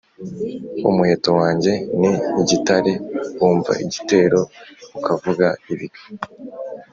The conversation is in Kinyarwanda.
Umuheto wanjye ni igitare wumva igitero ukavuga ibigwi